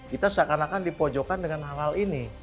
kita seakan akan dipojokkan dengan hal hal ini